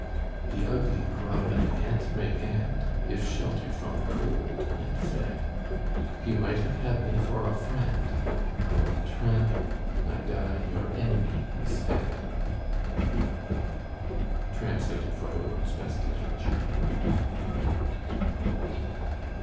The ugly grub an ant may end, If sheltered from the cold and fed. You might have had me for a friend: Old tramp, I die your enemy instead. Translated for the 'World's Best Literature.'